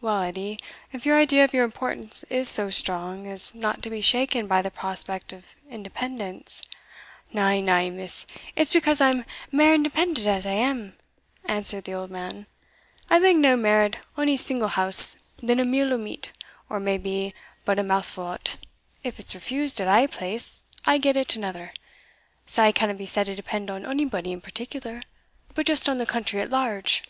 "Well, Edie, if your idea of your importance is so strong as not to be shaken by the prospect of independence" "Na, na, Miss it's because I am mair independent as I am," answered the old man; "I beg nae mair at ony single house than a meal o' meat, or maybe but a mouthfou o't if it's refused at ae place, I get it at anither sae I canna be said to depend on onybody in particular, but just on the country at large."